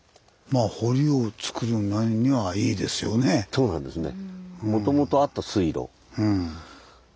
そうなんですね。